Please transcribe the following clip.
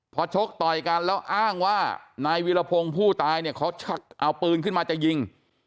พอชกต่อยกันแล้วอ้างว่านายวิรพงศ์ผู้ตายเนี่ยเขาชักเอาปืนขึ้นมาจะยิง